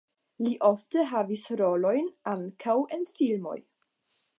Li ofte havis rolojn ankaŭ en filmoj.